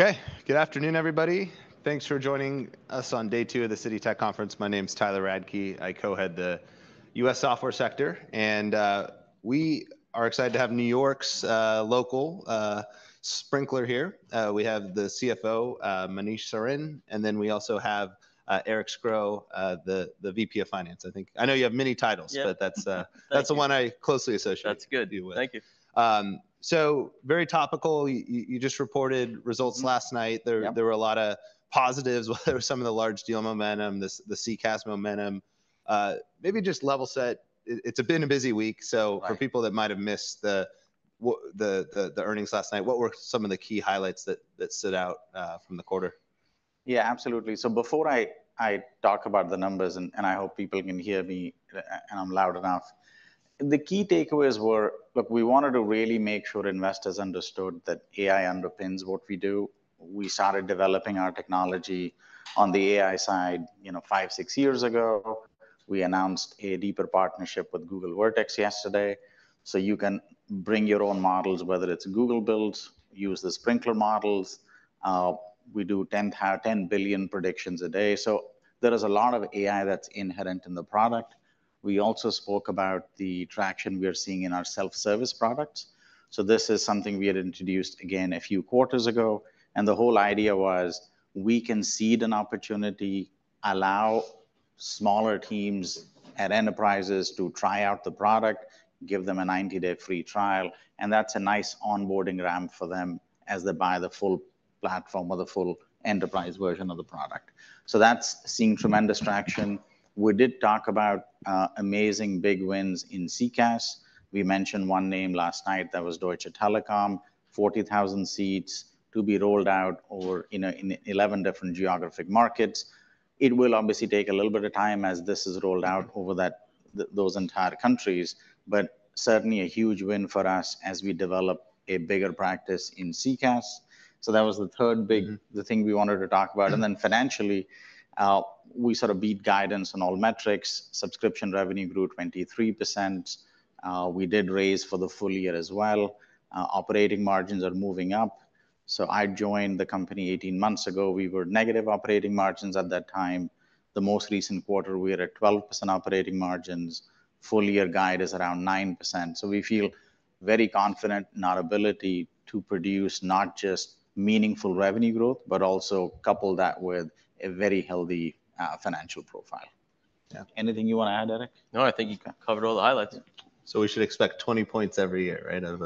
Okay, good afternoon, everybody. Thanks for joining us on day two of the Citi Tech Conference. My name's Tyler Radke. I co-head the U.S. software sector, and we are excited to have New York's local Sprinklr here. We have the CFO, Manish Sarin, and then we also have Eric Scro, the VP of finance, I think. I know you have many titles- Yeah. - but that's, that's the one I closely associate- That's good - you with. Thank you. Very topical. You just reported results last night. Yep. There were a lot of positives, whether some of the large deal momentum, the CCaaS momentum. Maybe just level set. It's been a busy week- Right. So for people that might have missed the earnings last night, what were some of the key highlights that stood out from the quarter? Yeah, absolutely. So before I talk about the numbers, and I hope people can hear me and I'm loud enough, the key takeaways were, look, we wanted to really make sure investors understood that AI underpins what we do. We started developing our technology on the AI side, you know, 5, 6 years ago. We announced a deeper partnership with Google Vertex yesterday, so you can bring your own models, whether it's Google builds, use the Sprinklr models. We do 10 out of 10 billion predictions a day. So there is a lot of AI that's inherent in the product. We also spoke about the traction we are seeing in our self-service products. So this is something we had introduced again a few quarters ago, and the whole idea was: we can seed an opportunity, allow smaller teams at enterprises to try out the product, give them a 90-day free trial, and that's a nice onboarding ramp for them as they buy the full platform or the full enterprise version of the product. So that's seeing tremendous traction. We did talk about amazing big wins in CCaaS. We mentioned one name last night, that was Deutsche Telekom, 40,000 seats to be rolled out over, you know, in 11 different geographic markets. It will obviously take a little bit of time as this is rolled out over that, those entire countries, but certainly a huge win for us as we develop a bigger practice in CCaaS. So that was the third big- Mm-hmm... the thing we wanted to talk about. And then financially, we sort of beat guidance on all metrics. Subscription revenue grew 23%. We did raise for the full year as well. Operating margins are moving up. So I joined the company eighteen months ago. We were negative operating margins at that time. The most recent quarter, we are at 12% operating margins. Full-year guide is around 9%. So we feel very confident in our ability to produce not just meaningful revenue growth, but also couple that with a very healthy financial profile. Yeah. Anything you want to add, Eric? No, I think you covered all the highlights. So we should expect 20 points every year, right, of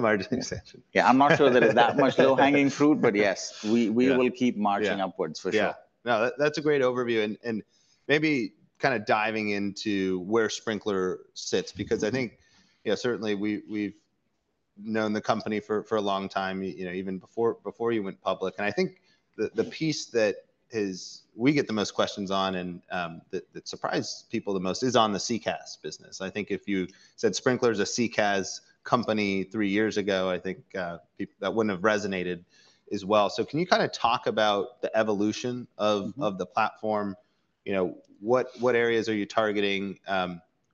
margin expansion? Yeah, I'm not sure there is that much low-hanging fruit, but yes, we- Yeah... we will keep marching- Yeah upwards, for sure. Yeah. No, that's a great overview and maybe kind of diving into where Sprinklr sits, because I think, you know, certainly we've known the company for a long time, you know, even before you went public. And I think the piece that is—we get the most questions on and that surprised people the most is on the CCaaS business. I think if you said Sprinklr is a CCaaS company three years ago, I think that wouldn't have resonated as well. So can you kind of talk about the evolution of- Mm-hmm... of the platform? You know, what, what areas are you targeting?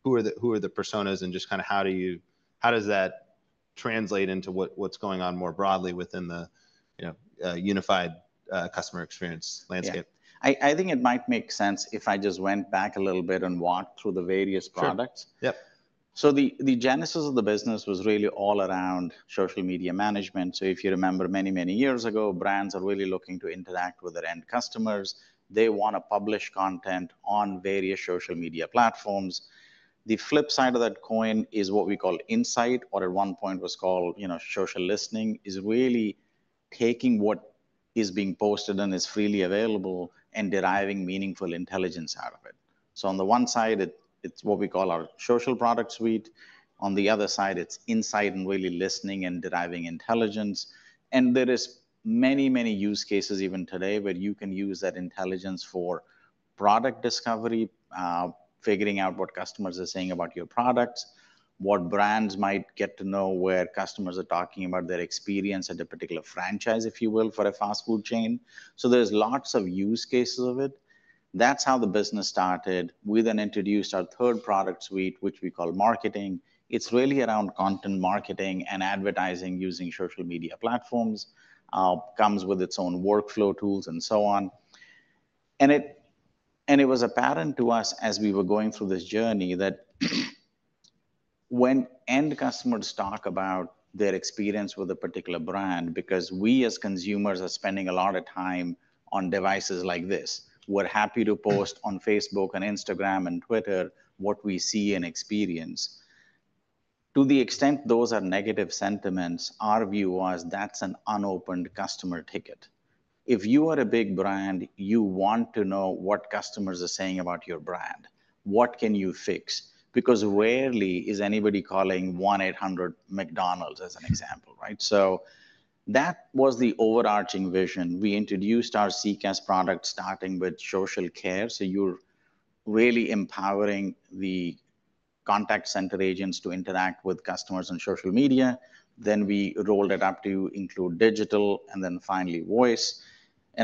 Who are the, who are the personas, and just kind of how does that translate into what, what's going on more broadly within the, you know, unified customer experience landscape? Yeah. I, I think it might make sense if I just went back a little bit and walked through the various products. Sure. Yep. So the genesis of the business was really all around social media management. So if you remember, many, many years ago, brands are really looking to interact with their end customers. They want to publish content on various social media platforms. The flip side of that coin is what we call insight, or at one point was called, you know, social listening, is really taking what is being posted and is freely available and deriving meaningful intelligence out of it. So on the one side, it's what we call our social product suite. On the other side, it's insight and really listening and deriving intelligence. And there are many, many use cases, even today, where you can use that intelligence for product discovery, figuring out what customers are saying about your products, what brands might get to know where customers are talking about their experience at a particular franchise, if you will, for a fast food chain. So there's lots of use cases of it. That's how the business started. We then introduced our third product suite, which we call Marketing. It's really around content marketing and advertising using social media platforms. It comes with its own workflow tools, and so on. It was apparent to us as we were going through this journey that, when end customers talk about their experience with a particular brand, because we, as consumers, are spending a lot of time on devices like this, we're happy to post on Facebook and Instagram and Twitter what we see and experience. To the extent those are negative sentiments, our view was: That's an unopened customer ticket. If you are a big brand, you want to know what customers are saying about your brand. What can you fix? Because rarely is anybody calling 1-800 McDonald's, as an example, right? That was the overarching vision. We introduced our CCaaS product starting with social care, so you're really empowering the contact center agents to interact with customers on social media. We rolled it up to include digital, and finally, voice.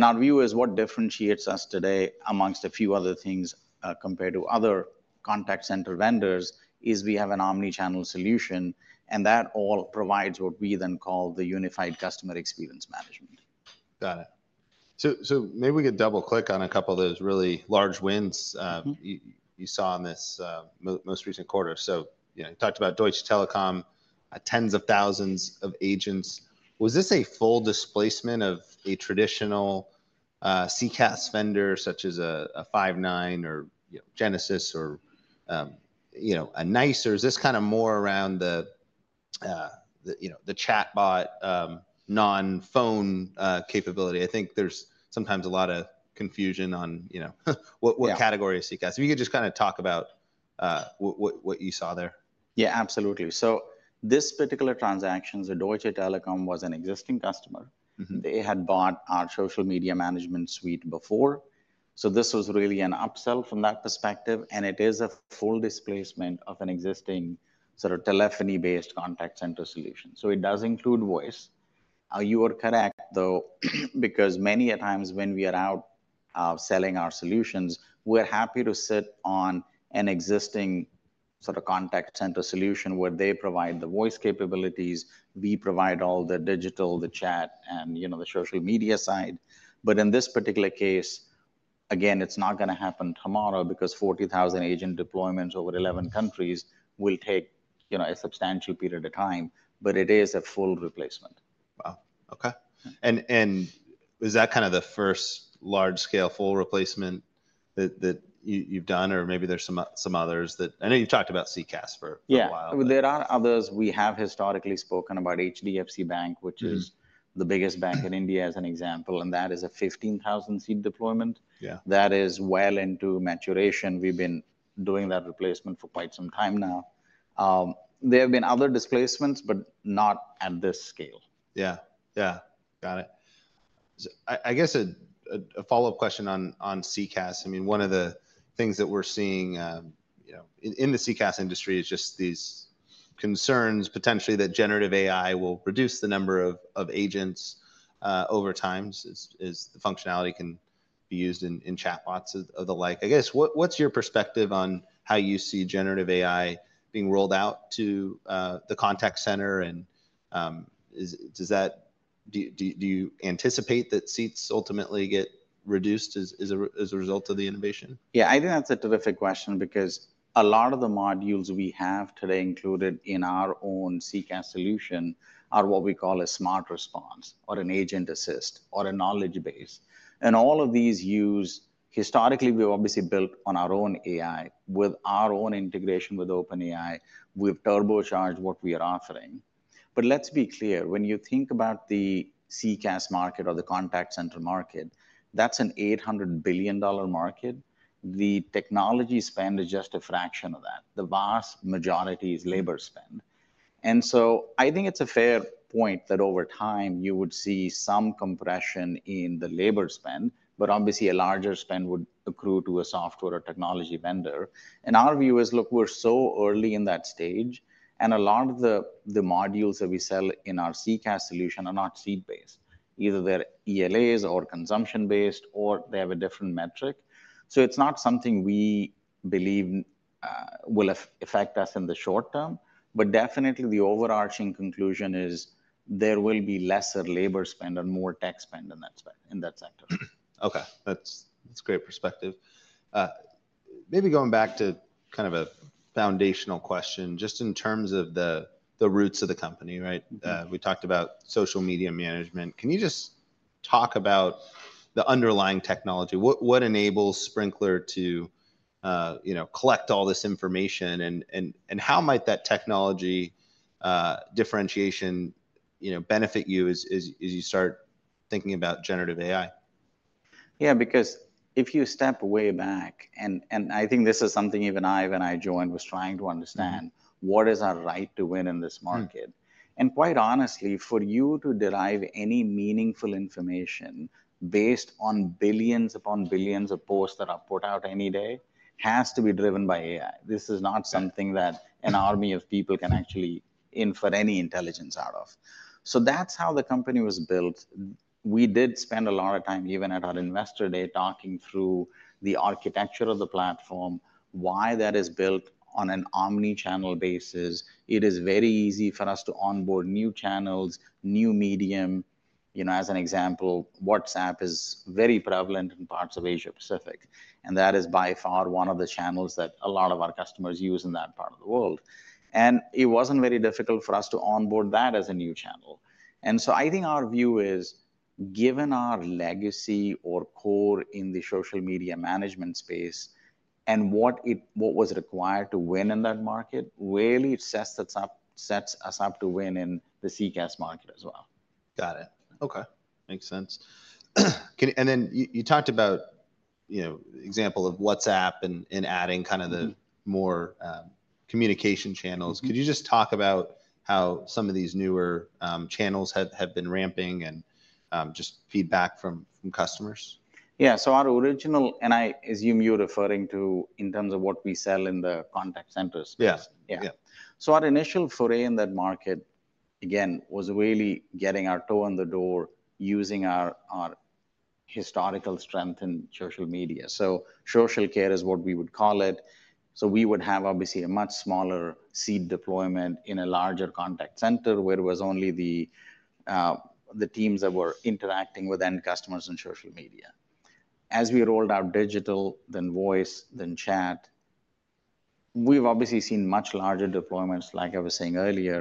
Our view is what differentiates us today, among a few other things, compared to other contact center vendors, is we have an omni-channel solution, and that all provides what we then call the unified customer experience management. Got it. So maybe we could double-click on a couple of those really large wins, Mm-hmm... you saw in this most recent quarter. So, you know, you talked about Deutsche Telekom, tens of thousands of agents. Was this a full displacement of a traditional CCaaS vendor, such as a Five9 or, you know, Genesys or, you know, a NICE? Is this kind of more around the, you know, the chatbot, non-phone capability? I think there's sometimes a lot of confusion on, you know, Yeah... what category is CCaaS? If you could just kind of talk about what you saw there. Yeah, absolutely. So this particular transaction, the Deutsche Telekom, was an existing customer. Mm-hmm. They had bought our social media management suite before, so this was really an upsell from that perspective, and it is a full displacement of an existing sort of telephony-based contact center solution. So it does include voice. You are correct, though, because many a times when we are out selling our solutions, we're happy to sit on an existing sort of contact center solution, where they provide the voice capabilities, we provide all the digital, the chat, and, you know, the social media side. But in this particular case, again, it's not gonna happen tomorrow because 40,000 agent deployments over 11 countries will take, you know, a substantial period of time, but it is a full replacement. Wow! Okay. And is that kind of the first large-scale full replacement that you’ve done, or maybe there’s some others that... I know you’ve talked about CCaaS for a while. Yeah. Well, there are others. We have historically spoken about HDFC Bank, which is- Mm... the biggest bank in India, as an example, and that is a 15,000 seat deployment. Yeah. That is well into maturation. We've been doing that replacement for quite some time now. There have been other displacements, but not at this scale. Yeah, yeah. Got it. I guess a follow-up question on CCaaS. I mean, one of the things that we're seeing, you know, in the CCaaS industry is just these concerns, potentially, that generative AI will reduce the number of agents over time, as the functionality can be used in chatbots and the like. I guess, what's your perspective on how you see generative AI being rolled out to the contact center, and does that... Do you anticipate that seats ultimately get reduced as a result of the innovation? Yeah, I think that's a terrific question because a lot of the modules we have today included in our own CCaaS solution are what we call a Smart Response or an Agent Assist or a Knowledge Base, and all of these use. Historically, we've obviously built on our own AI. With our own integration with OpenAI, we've turbocharged what we are offering. But let's be clear, when you think about the CCaaS market or the contact center market, that's an $800 billion market. The technology spend is just a fraction of that. The vast majority is labor spend. And so I think it's a fair point that over time you would see some compression in the labor spend, but obviously, a larger spend would accrue to a software or technology vendor. And our view is, look, we're so early in that stage, and a lot of the modules that we sell in our CCaaS solution are not seat-based. Either they're ELAs or consumption-based, or they have a different metric. So it's not something we believe will affect us in the short term, but definitely the overarching conclusion is there will be lesser labor spend and more tech spend in that sector. Okay. That's great perspective. Maybe going back to kind of a foundational question, just in terms of the roots of the company, right? Mm-hmm. We talked about social media management. Can you just talk about the underlying technology? What, what enables Sprinklr to, you know, collect all this information, and how might that technology, differentiation, you know, benefit you as you start thinking about generative AI? Yeah, because if you step way back, and I think this is something even I, when I joined, was trying to understand: What is our right to win in this market? Hmm. Quite honestly, for you to derive any meaningful information based on billions upon billions of posts that are put out any day, has to be driven by AI. This is not something that an army of people can actually infer any intelligence out of. That's how the company was built. We did spend a lot of time, even at our Investor Day, talking through the architecture of the platform, why that is built on an omni-channel basis. It is very easy for us to onboard new channels, new medium. You know, as an example, WhatsApp is very prevalent in parts of Asia-Pacific, and that is by far one of the channels that a lot of our customers use in that part of the world. And it wasn't very difficult for us to onboard that as a new channel. So I think our view is, given our legacy or core in the social media management space and what it... what was required to win in that market, really sets us up, sets us up to win in the CCaaS market as well. Got it. Okay, makes sense. Can... and then you talked about, you know, example of WhatsApp and adding kind of- Mm-hmm... the more, communication channels. Mm-hmm. Could you just talk about how some of these newer channels have been ramping and just feedback from customers? Yeah. So our original, and I assume you're referring to in terms of what we sell in the contact center space? Yeah. Yeah. Yeah. So our initial foray in that market again was really getting our toe in the door using our historical strength in social media. So social care is what we would call it. So we would have obviously a much smaller seed deployment in a larger contact center, where it was only the teams that were interacting with end customers on social media. As we rolled out digital, then voice, then chat, we've obviously seen much larger deployments like I was saying earlier.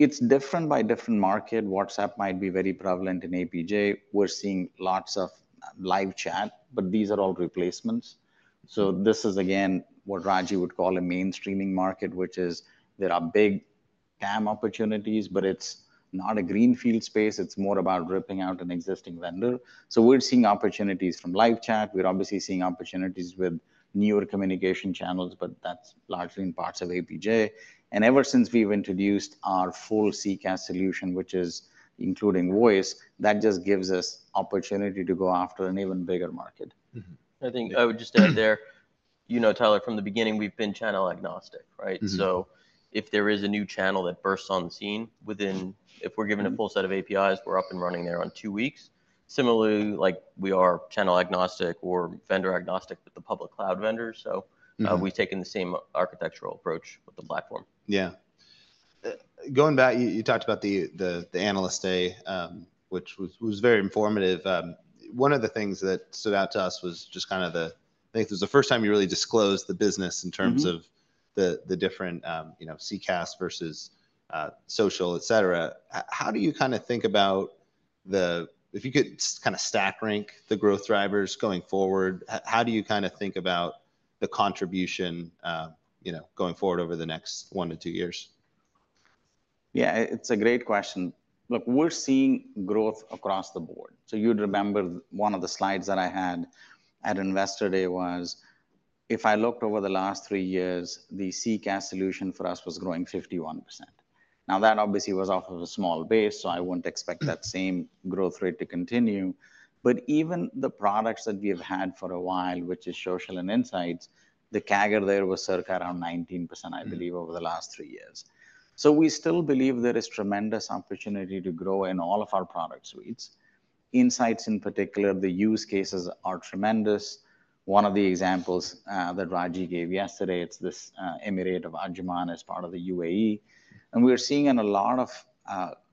It's different by different market. WhatsApp might be very prevalent in APJ. We're seeing lots of live chat, but these are all replacements. So this is again what Ragy would call a mainstreaming market, which is there are big TAM opportunities, but it's not a greenfield space; it's more about ripping out an existing vendor. We're seeing opportunities from live chat, we're obviously seeing opportunities with newer communication channels, but that's largely in parts of APJ. Ever since we've introduced our full CCaaS solution, which is including voice, that just gives us opportunity to go after an even bigger market. Mm-hmm. I think I would just add there, you know, Tyler, from the beginning, we've been channel agnostic, right? Mm-hmm. If there is a new channel that bursts on the scene, within- Mm. If we're given a full set of APIs, we're up and running there on two weeks. Similarly, like we are channel agnostic or vendor agnostic with the public cloud vendors, so- Mm-hmm... we've taken the same architectural approach with the platform. Yeah. Going back, you talked about the Analyst Day, which was very informative. One of the things that stood out to us was just kind of the, I think this is the first time you really disclosed the business in terms of- Mm-hmm... the different, you know, CCaaS versus social, et cetera. How do you kinda think about the. If you could kind of stack rank the growth drivers going forward, how do you kinda think about the contribution, you know, going forward over the next one to two years? Yeah, it, it's a great question. Look, we're seeing growth across the board. So you'd remember one of the slides that I had at Investor Day was, if I looked over the last three years, the CCaaS solution for us was growing 51%. Now, that obviously was off of a small base, so I wouldn't expect that same growth rate to continue. But even the products that we've had for a while, which is social and insights, the CAGR there was circa around 19%, I believe- Mm... over the last three years. So we still believe there is tremendous opportunity to grow in all of our product suites. Insights, in particular, the use cases are tremendous. One of the examples that Ragy gave yesterday, it's this Emirate of Ajman as part of the UAE. And we're seeing in a lot of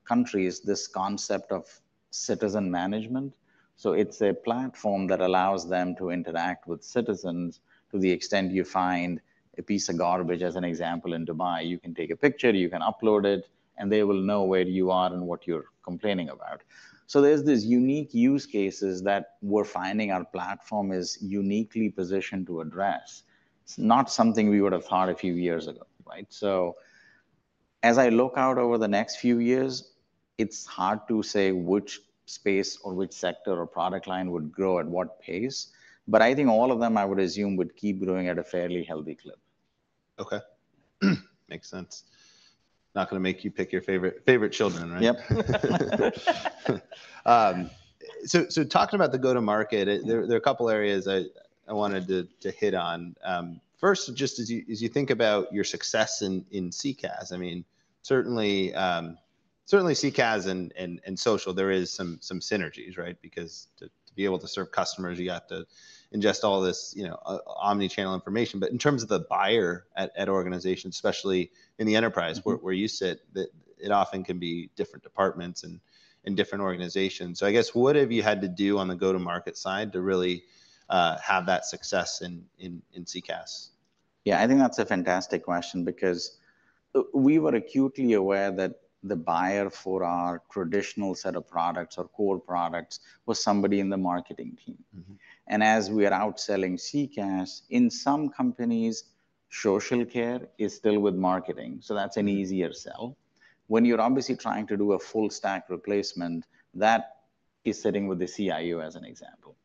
countries, this concept of citizen management. So it's a platform that allows them to interact with citizens. To the extent you find a piece of garbage, as an example, in Dubai, you can take a picture, you can upload it, and they will know where you are and what you're complaining about. So there's this unique use cases that we're finding our platform is uniquely positioned to address. It's not something we would have thought a few years ago, right? As I look out over the next few years, it's hard to say which space or which sector or product line would grow at what pace, but I think all of them, I would assume, would keep growing at a fairly healthy clip. Okay. Makes sense. Not gonna make you pick your favorite, favorite children, right? Yep. So, talking about the go-to-market, there are a couple areas I wanted to hit on. First, just as you think about your success in CCaaS, I mean, certainly CCaaS and social, there is some synergies, right? Because to be able to serve customers, you have to ingest all this, you know, omni-channel information. But in terms of the buyer at organizations, especially in the enterprise- Mm-hmm... where you sit, it often can be different departments and different organizations. So I guess, what have you had to do on the go-to-market side to really have that success in CCaaS? Yeah, I think that's a fantastic question, because we were acutely aware that the buyer for our traditional set of products or core products was somebody in the marketing team. Mm-hmm. As we are out selling CCaaS, in some companies, social care is still with marketing, so that's an easier sell. When you're obviously trying to do a full stack replacement, that is sitting with the CIO, as an example.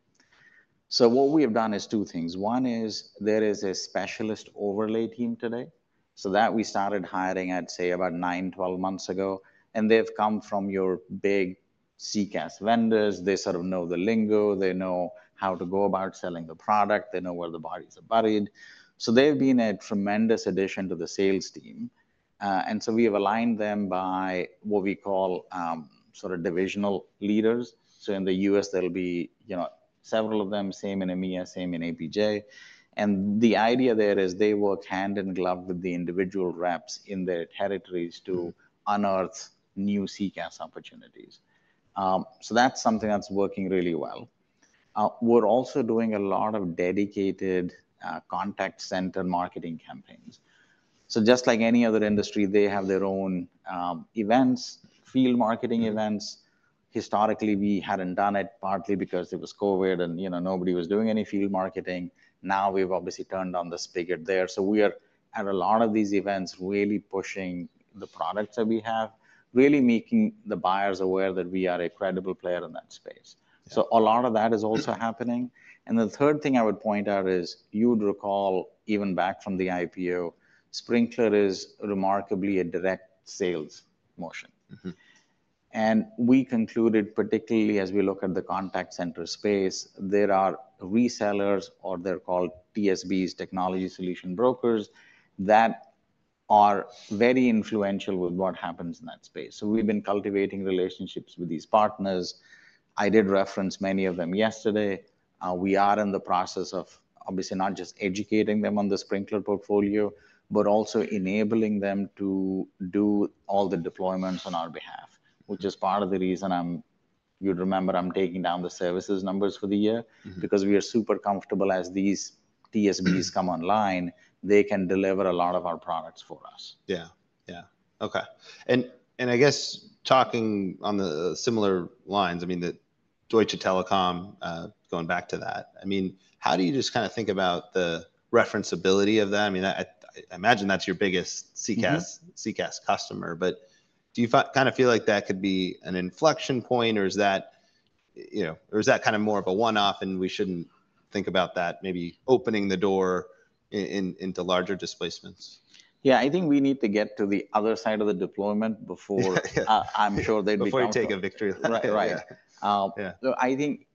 So what we have done is 2 things: 1 is, there is a specialist overlay team today. So that we started hiring, I'd say, about 9-12 months ago, and they've come from your big CCaaS vendors. They sort of know the lingo, they know how to go about selling the product, they know where the bodies are buried. So they've been a tremendous addition to the sales team. And so we have aligned them by what we call, sort of divisional leaders. So in the US, there'll be, you know, several of them, same in EMEA, same in APJ. The idea there is they work hand in glove with the individual reps in their territories to unearth new CCaaS opportunities. So that's something that's working really well. We're also doing a lot of dedicated, contact center marketing campaigns. So just like any other industry, they have their own, events, field marketing events. Historically, we hadn't done it, partly because it was COVID and, you know, nobody was doing any field marketing. Now, we've obviously turned on the spigot there, so we are, at a lot of these events, really pushing the products that we have, really making the buyers aware that we are a credible player in that space. Yeah. So a lot of that is also happening. And the third thing I would point out is, you would recall, even back from the IPO, Sprinklr is remarkably a direct sales motion. Mm-hmm.... and we concluded, particularly as we look at the contact center space, there are resellers, or they're called TSBs, Technology Solutions Brokers, that are very influential with what happens in that space. So we've been cultivating relationships with these partners. I did reference many of them yesterday. We are in the process of obviously not just educating them on the Sprinklr portfolio, but also enabling them to do all the deployments on our behalf, which is part of the reason, you'd remember, I'm taking down the services numbers for the year. Mm-hmm. Because we are super comfortable as these TSBs come online, they can deliver a lot of our products for us. Yeah. Yeah. Okay. And I guess talking on the similar lines, I mean, the Deutsche Telekom, going back to that. I mean, how do you just kind of think about the referenceability of that? I mean, I imagine that's your biggest CCaaS- Mm-hmm... CCaaS customer, but do you kind of feel like that could be an inflection point, or is that, you know, or is that kind of more of a one-off, and we shouldn't think about that maybe opening the door into larger displacements? Yeah, I think we need to get to the other side of the deployment before... I, I'm sure they'd become- Before you take a victory lap. Right, right. Yeah. Um- Yeah... I think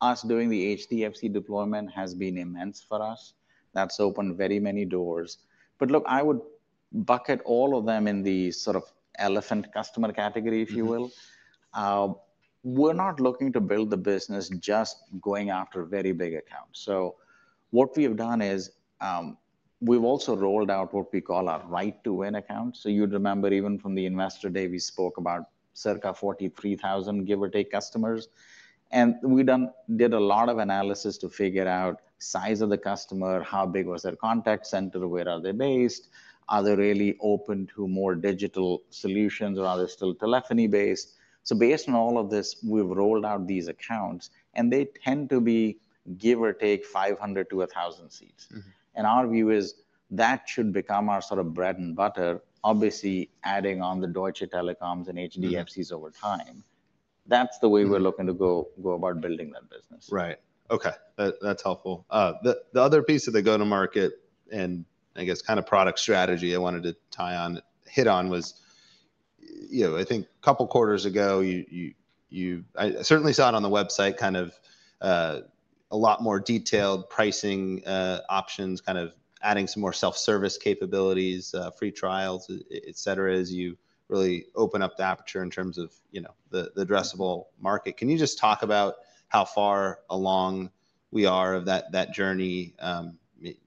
us doing the HDFC deployment has been immense for us. That's opened very many doors. But look, I would bucket all of them in the sort of elephant customer category, if you will. Mm-hmm. We're not looking to build the business just going after very big accounts. So what we have done is, we've also rolled out what we call our right to win account. So you'd remember even from the Investor Day, we spoke about circa 43,000, give or take, customers. And we did a lot of analysis to figure out size of the customer, how big was their contact center, where are they based, are they really open to more digital solutions, or are they still telephony-based? So based on all of this, we've rolled out these accounts, and they tend to be, give or take, 500-1,000 seats. Mm-hmm. Our view is, that should become our sort of bread and butter, obviously, adding on the Deutsche Telekom's and HDFC's- Mm-hmm... over time. That's the way- Mm... we're looking to go about building that business. Right. Okay. That's helpful. The other piece of the go-to-market, and I guess kind of product strategy I wanted to tie on, hit on, was, you know, I think a couple of quarters ago, you I certainly saw it on the website, kind of, a lot more detailed pricing, options, kind of adding some more self-service capabilities, free trials, et cetera, as you really open up the aperture in terms of, you know, the addressable market. Can you just talk about how far along we are of that journey,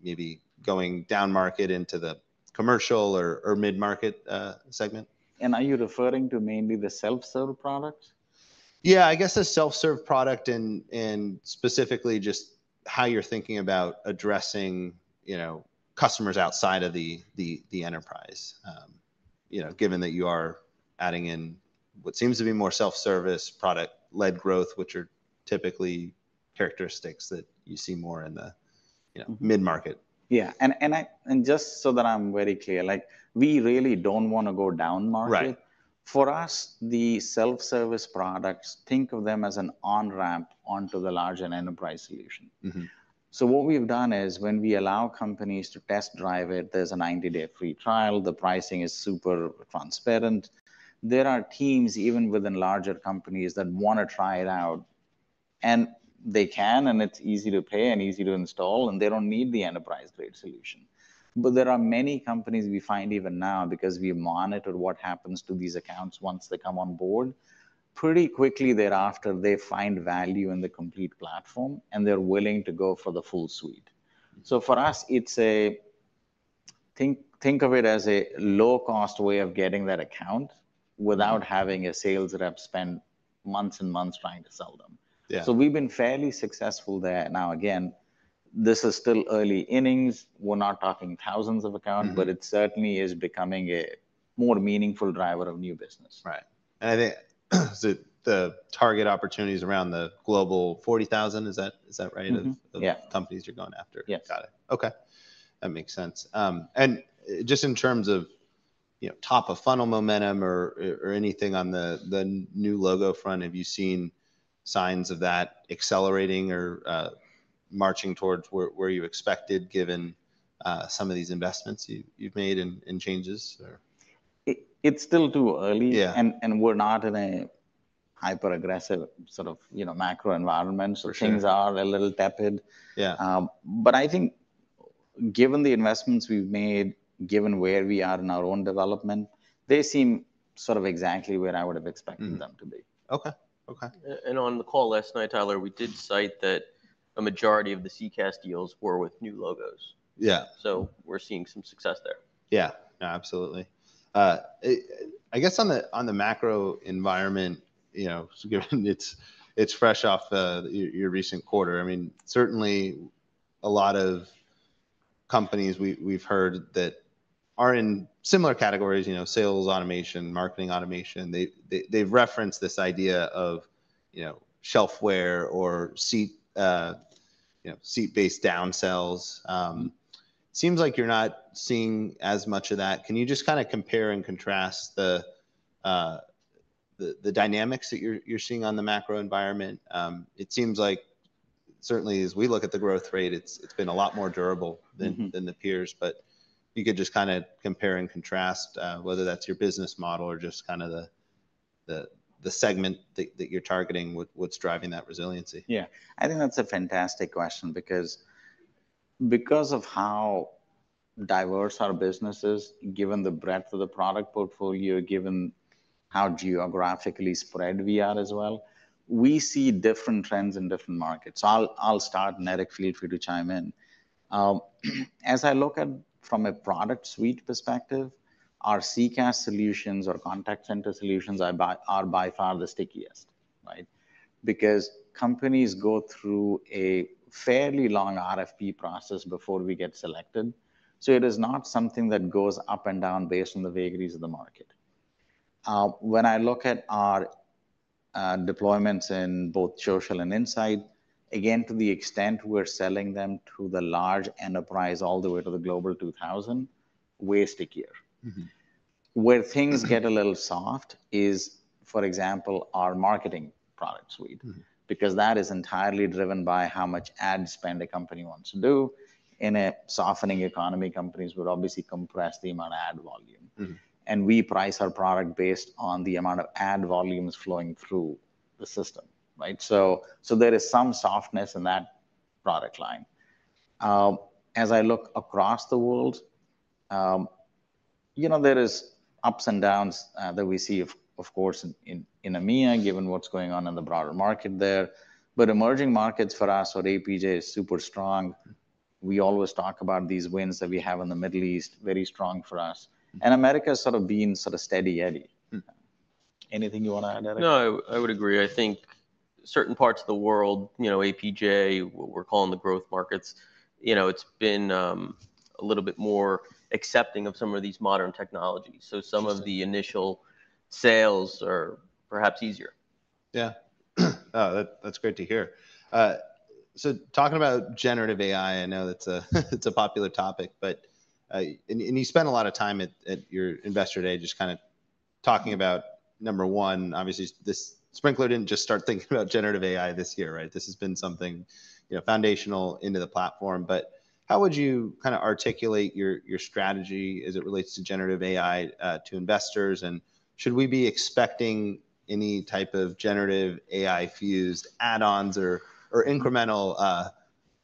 maybe going down market into the commercial or mid-market, segment? Are you referring to mainly the self-serve product? Yeah, I guess the self-serve product and specifically just how you're thinking about addressing, you know, customers outside of the enterprise. You know, given that you are adding in what seems to be more self-service, product-led growth, which are typically characteristics that you see more in the, you know- Mm... mid-market. Yeah. And just so that I'm very clear, like, we really don't want to go down market. Right. For us, the self-service products, think of them as an on-ramp onto the larger enterprise solution. Mm-hmm. So what we've done is, when we allow companies to test drive it, there's a 90-day free trial. The pricing is super transparent. There are teams, even within larger companies, that want to try it out, and they can, and it's easy to pay and easy to install, and they don't need the enterprise-grade solution. But there are many companies we find even now, because we monitor what happens to these accounts once they come on board, pretty quickly thereafter, they find value in the complete platform, and they're willing to go for the full suite. Mm. So for us, think of it as a low-cost way of getting that account without having a sales rep spend months and months trying to sell them. Yeah. So we've been fairly successful there. Now, again, this is still early innings. We're not talking thousands of accounts- Mm-hmm... but it certainly is becoming a more meaningful driver of new business. Right. I think, the target opportunity is around the global 40,000, is that, is that right? Mm. Yeah. The companies you're going after. Yes. Got it. Okay, that makes sense. And just in terms of, you know, top-of-funnel momentum or anything on the new logo front, have you seen signs of that accelerating or marching towards where you expected, given some of these investments you've made in changes or? It's still too early- Yeah... and we're not in a hyper aggressive sort of, you know, macro environment. For sure. So things are a little tepid. Yeah. But I think given the investments we've made, given where we are in our own development, they seem sort of exactly where I would have expected them to be. Mm. Okay. Okay. On the call last night, Tyler, we did cite that a majority of the CCaaS deals were with new logos. Yeah. We're seeing some success there. Yeah. Yeah, absolutely. I guess on the macro environment, you know, given it's fresh off your recent quarter, I mean, certainly a lot of companies we've heard that are in similar categories, you know, sales automation, marketing automation, they've referenced this idea of, you know, shelfware or seat-based downsells. Seems like you're not seeing as much of that. Can you just kind of compare and contrast the dynamics that you're seeing on the macro environment? It seems like certainly as we look at the growth rate, it's been a lot more durable than the peers. But you could just kinda compare and contrast whether that's your business model or just kinda the segment that you're targeting, what's driving that resiliency? Yeah. I think that's a fantastic question, because of how diverse our business is, given the breadth of the product portfolio, given how geographically spread we are as well, we see different trends in different markets. I'll start, and Eric, feel free to chime in. As I look at from a product suite perspective, our CCaaS solutions or contact center solutions are by far the stickiest, right? Because companies go through a fairly long RFP process before we get selected, so it is not something that goes up and down based on the vagaries of the market. When I look at our deployments in both social and inside, again, to the extent we're selling them to the large enterprise all the way to the Global 2000, we're stickier. Mm-hmm. Where things get a little soft is, for example, our marketing product suite- Mm-hmm. -because that is entirely driven by how much ad spend a company wants to do. In a softening economy, companies would obviously compress the amount of ad volume. Mm-hmm. We price our product based on the amount of ad volumes flowing through the system, right? So, so there is some softness in that product line. As I look across the world, you know, there is ups and downs that we see of, of course, in, in, EMEA, given what's going on in the broader market there. But emerging markets for us or APJ is super strong. We always talk about these wins that we have in the Middle East, very strong for us. Mm-hmm. America has sort of been sort of steady Eddie. Mm-hmm. Anything you wanna add, Eric? No, I, I would agree. I think certain parts of the world, you know, APJ, what we're calling the growth markets, you know, it's been a little bit more accepting of some of these modern technologies. Exactly. Some of the initial sales are perhaps easier. Yeah. That's great to hear. So talking about generative AI, I know that's a, it's a popular topic, but... You spent a lot of time at your Investor Day just kinda talking about, number one, obviously, Sprinklr didn't just start thinking about generative AI this year, right? This has been something, you know, foundational into the platform. But how would you kinda articulate your strategy as it relates to generative AI to investors, and should we be expecting any type of generative AI fused add-ons or incremental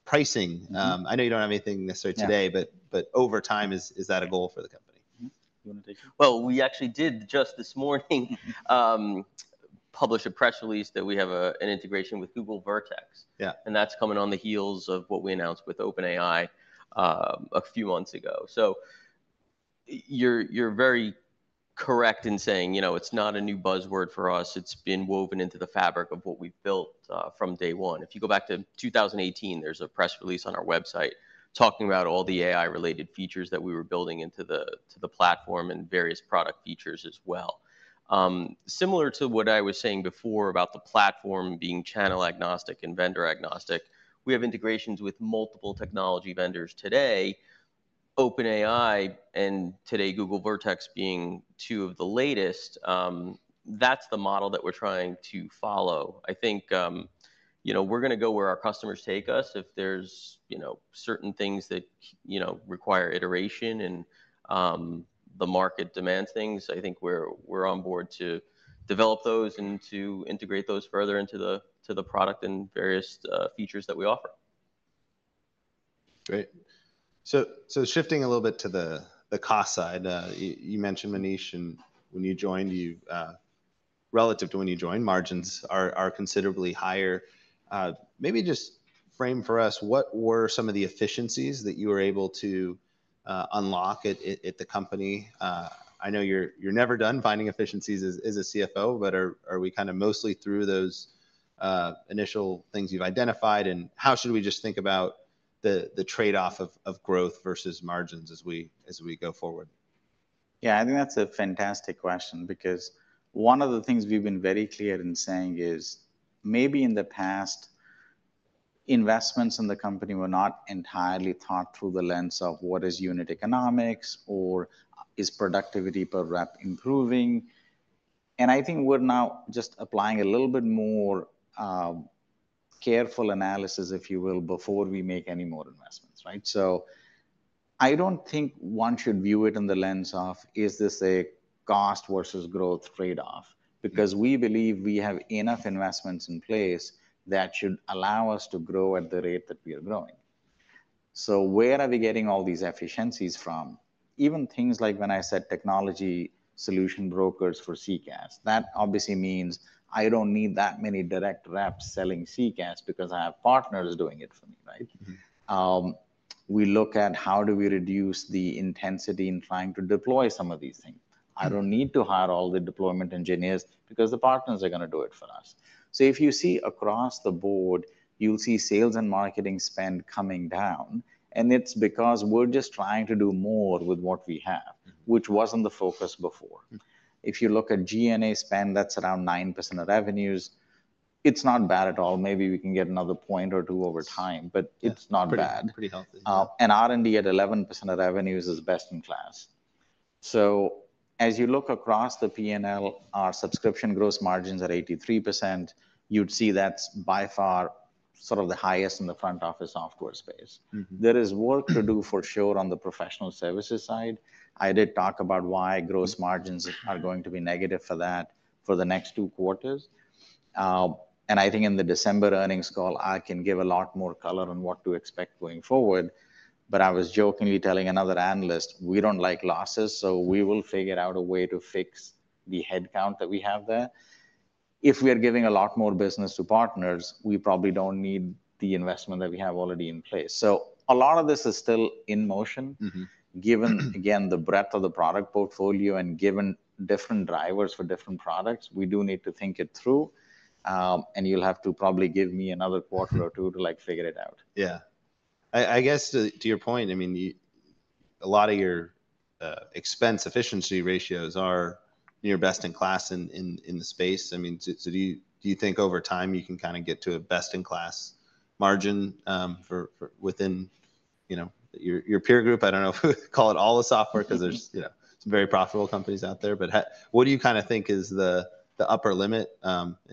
pricing? Mm-hmm. I know you don't have anything necessarily today- Yeah... but over time, is that a goal for the company? Mm-hmm. You wanna take it? Well, we actually did just this morning publish a press release that we have an integration with Google Vertex. Yeah. That's coming on the heels of what we announced with OpenAI a few months ago. So you're very correct in saying, you know, it's not a new buzzword for us, it's been woven into the fabric of what we've built from day one. If you go back to 2018, there's a press release on our website talking about all the AI-related features that we were building into the platform and various product features as well. Similar to what I was saying before about the platform being channel-agnostic and vendor-agnostic, we have integrations with multiple technology vendors today, OpenAI, and today, Google Vertex being two of the latest, that's the model that we're trying to follow. I think, you know, we're gonna go where our customers take us. If there's, you know, certain things that, you know, require iteration and the market demands things, I think we're on board to develop those and to integrate those further into the product and various features that we offer. Great. So shifting a little bit to the cost side, you mentioned, Manish, and when you joined, relative to when you joined, margins are considerably higher. Maybe just frame for us what were some of the efficiencies that you were able to unlock at the company? I know you're never done finding efficiencies as a CFO, but are we kinda mostly through those initial things you've identified, and how should we just think about the trade-off of growth versus margins as we go forward? Yeah, I think that's a fantastic question, because one of the things we've been very clear in saying is, maybe in the past, investments in the company were not entirely thought through the lens of what is unit economics or is productivity per rep improving? And I think we're now just applying a little bit more, careful analysis, if you will, before we make any more investments, right? So I don't think one should view it in the lens of: Is this a cost versus growth trade-off? Because we believe we have enough investments in place that should allow us to grow at the rate that we are growing. So where are we getting all these efficiencies from? Even things like when I said technology solution brokers for CCaaS, that obviously means I don't need that many direct reps selling CCaaS because I have partners doing it for me, right? Mm-hmm. We look at how do we reduce the intensity in trying to deploy some of these things. I don't need to hire all the deployment engineers, because the partners are gonna do it for us. So if you see across the board, you'll see sales and marketing spend coming down, and it's because we're just trying to do more with what we have- Mm... which wasn't the focus before. Mm. If you look at G&A spend, that's around 9% of revenues. It's not bad at all. Maybe we can get another point or two over time, but it's not bad. Yeah, pretty, pretty healthy. And R&D at 11% of revenues is best-in-class. So as you look across the P&L, our subscription gross margins are 83%, you'd see that's by far sort of the highest in the front office software space. Mm-hmm. There is work to do for sure, on the professional services side. I did talk about why gross margins are going to be negative for that for the next two quarters. And I think in the December earnings call, I can give a lot more color on what to expect going forward. But I was jokingly telling another analyst, "We don't like losses, so we will figure out a way to fix the headcount that we have there." If we are giving a lot more business to partners, we probably don't need the investment that we have already in place. So a lot of this is still in motion. Mm-hmm. Given, again, the breadth of the product portfolio and given different drivers for different products, we do need to think it through, and you'll have to probably give me another quarter or two to, like, figure it out. Yeah. I guess to your point, I mean, you a lot of your expense efficiency ratios are your best-in-class in the space. I mean, so do you think over time you can kinda get to a best-in-class margin for within, you know, your peer group? I don't know if we could call it all a software, 'cause there's, you know, some very profitable companies out there. But how what do you kinda think is the upper limit? You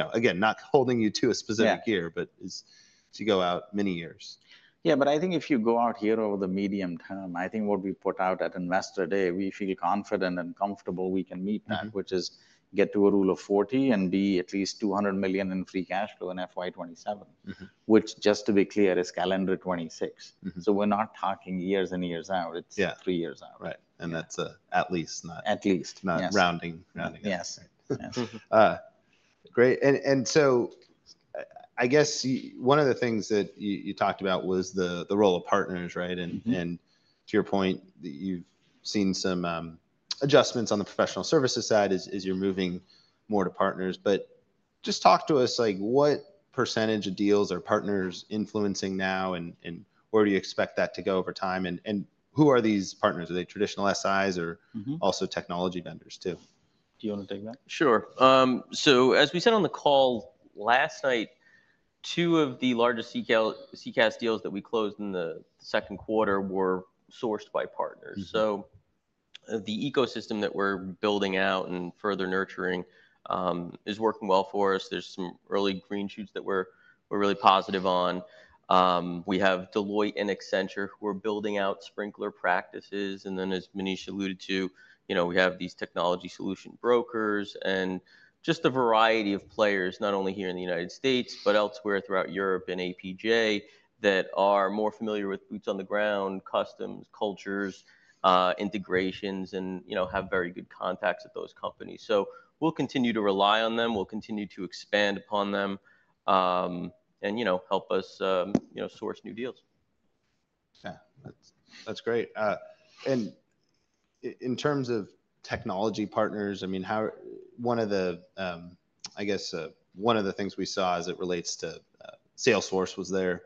know, again, not holding you to a specific- Yeah... year, but is to go out many years. Yeah, but I think if you go out here over the medium term, I think what we put out at Investor Day, we feel confident and comfortable we can meet that- Mm-hmm... which is get to a rule of 40 and be at least $200 million in free cash flow in FY 2027. Mm-hmm. Which, just to be clear, is calendar 2026. Mm-hmm. So, we're not talking years and years out, it's- Yeah... three years out. Right. Yeah. That's, at least, At least, yes.... not rounding, rounding up. Yes. Yes. Great. I guess one of the things that you talked about was the role of partners, right? Mm-hmm. And to your point, that you've seen some adjustments on the professional services side, as you're moving more to partners. But just talk to us, like, what percentage of deals are partners influencing now, and where do you expect that to go over time, and who are these partners? Are they traditional SIs or- Mm-hmm... also technology vendors, too? Do you wanna take that? Sure. So as we said on the call last night, two of the largest CCaaS deals that we closed in the second quarter were sourced by partners. Mm-hmm. So, the ecosystem that we're building out and further nurturing is working well for us. There's some early green shoots that we're really positive on. We have Deloitte and Accenture, who are building out Sprinklr practices. And then, as Manish alluded to, you know, we have these technology solution brokers and just a variety of players, not only here in the United States, but elsewhere throughout Europe and APJ, that are more familiar with boots on the ground, customs, cultures, integrations, and, you know, have very good contacts at those companies. So we'll continue to rely on them, we'll continue to expand upon them, and, you know, help us source new deals. Yeah. That's, that's great. And in terms of technology partners, I mean, how... One of the, I guess, one of the things we saw as it relates to Salesforce was their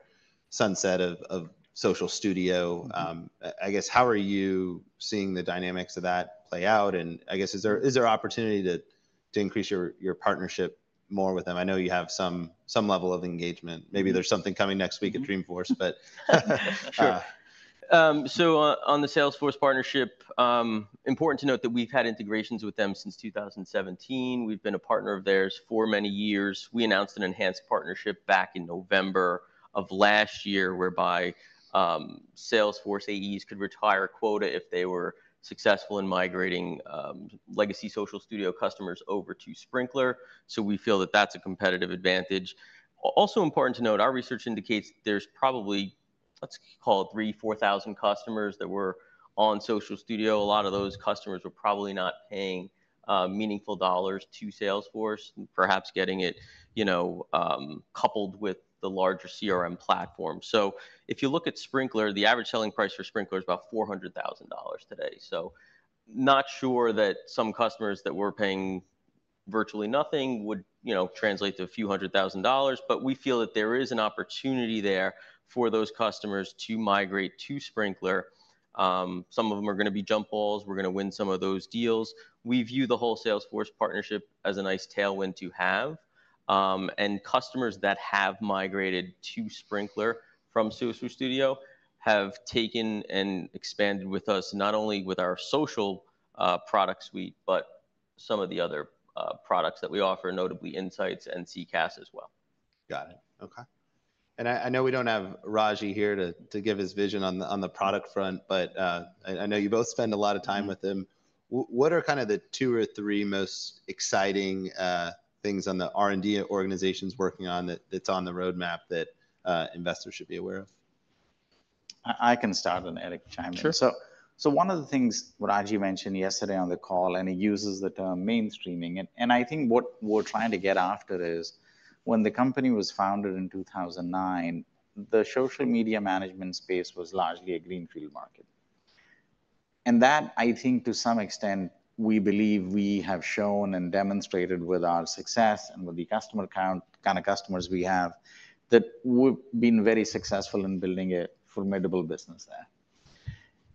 sunset of Social Studio. Mm-hmm. I guess, how are you seeing the dynamics of that play out? I guess, is there, is there opportunity to, to increase your, your partnership more with them? I know you have some, some level of engagement. Maybe there's something coming next week at Dreamforce, but... Sure. So on the Salesforce partnership, important to note that we've had integrations with them since 2017. We've been a partner of theirs for many years. We announced an enhanced partnership back in November of last year, whereby Salesforce AEs could retire a quota if they were successful in migrating legacy Social Studio customers over to Sprinklr. So we feel that that's a competitive advantage. Also important to note, our research indicates there's probably, let's call it 3-4 thousand customers that were on Social Studio. A lot of those customers were probably not paying meaningful dollars to Salesforce, and perhaps getting it, you know, coupled with the larger CRM platform. So if you look at Sprinklr, the average selling price for Sprinklr is about $400,000 today. So not sure that some customers that were paying virtually nothing would, you know, translate to a few hundred thousand dollars, but we feel that there is an opportunity there for those customers to migrate to Sprinklr. Some of them are gonna be jump balls, we're gonna win some of those deals. We view the whole Salesforce partnership as a nice tailwind to have. And customers that have migrated to Sprinklr from Social Studio have taken and expanded with us, not only with our social product suite, but some of the other products that we offer, notably Insights and CCaaS as well. Got it. Okay. And I know we don't have Ragy here to give his vision on the product front, but I know you both spend a lot of time with him. What are kind of the two or three most exciting things on the R&D organization's working on, that's on the roadmap, that investors should be aware of? I can start, and Eric chime in. Sure. So, so one of the things Ragy mentioned yesterday on the call, and he uses the term mainstreaming, and, and I think what we're trying to get after is, when the company was founded in 2009, the social media management space was largely a greenfield market. And that, I think to some extent, we believe we have shown and demonstrated with our success and with the customer count, kind of customers we have, that we've been very successful in building a formidable business there.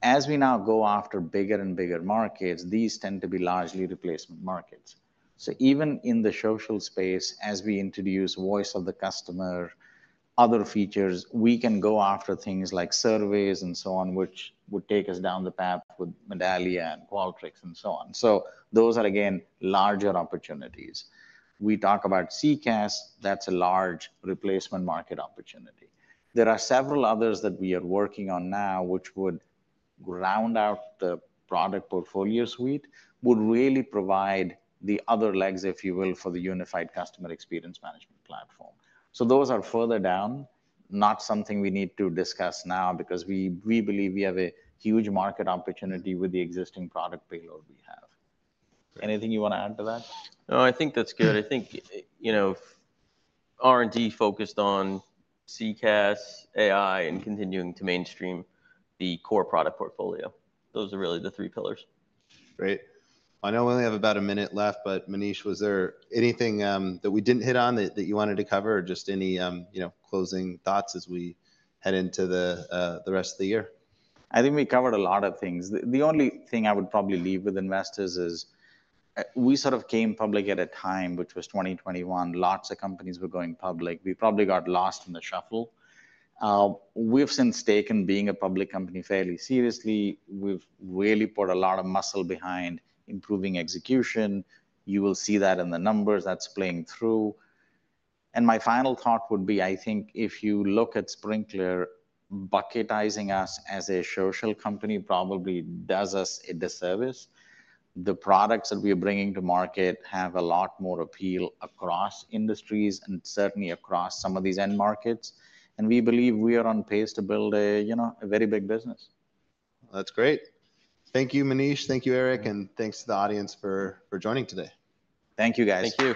As we now go after bigger and bigger markets, these tend to be largely replacement markets.... So even in the social space, as we introduce voice of the customer, other features, we can go after things like surveys and so on, which would take us down the path with Medallia and Qualtrics and so on. So those are, again, larger opportunities. We talk about CCaaS, that's a large replacement market opportunity. There are several others that we are working on now, which would round out the product portfolio suite, would really provide the other legs, if you will, for the unified customer experience management platform. So those are further down, not something we need to discuss now, because we, we believe we have a huge market opportunity with the existing product payload we have. Anything you want to add to that? No, I think that's good. I think, you know, R&D focused on CCaaS, AI, and continuing to mainstream the core product portfolio. Those are really the three pillars. Great. I know we only have about a minute left, but Manish, was there anything that we didn't hit on that you wanted to cover, or just any, you know, closing thoughts as we head into the rest of the year? I think we covered a lot of things. The only thing I would probably leave with investors is, we sort of came public at a time, which was 2021, lots of companies were going public. We probably got lost in the shuffle. We've since taken being a public company fairly seriously. We've really put a lot of muscle behind improving execution. You will see that in the numbers, that's playing through. And my final thought would be, I think if you look at Sprinklr, bucketizing us as a social company probably does us a disservice. The products that we are bringing to market have a lot more appeal across industries and certainly across some of these end markets, and we believe we are on pace to build a, you know, a very big business. That's great. Thank you, Manish, thank you, Eric, and thanks to the audience for joining today. Thank you, guys. Thank you.